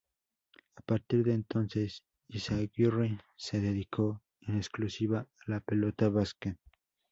A partir de entonces Izaguirre se dedicó en exclusiva a la pelota vasca.